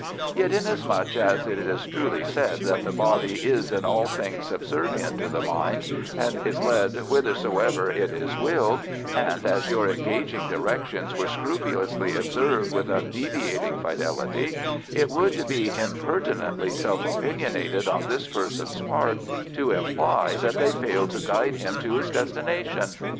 Yet inasmuch as it is truly said that the body is in all things subservient to the mind, and is led withersoever it is willed, and as your engaging directions were scrupulously observed with undeviating fidelity, it would be impertinently self opinionated on this person's part to imply that they failed to guide him to his destination.